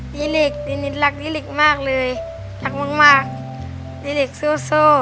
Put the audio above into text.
ดีริกดีริกรักดีริกมากเลยรักมากดีริกสู้